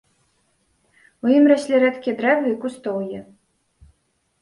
У ім раслі рэдкія дрэвы і кустоўе.